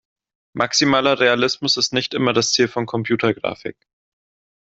Maximaler Realismus ist nicht immer das Ziel von Computergrafik.